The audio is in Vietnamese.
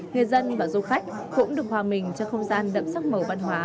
người dân và du khách cũng được hòa mình cho không gian đậm sắc màu văn hóa